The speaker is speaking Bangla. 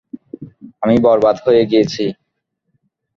আমি বরবাদ হয়ে গেছি।